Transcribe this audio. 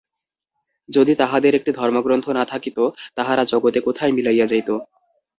যদি তাহাদের একটি ধর্মগ্রন্থ না থাকিত, তাহারা জগতে কোথায় মিলাইয়া যাইত।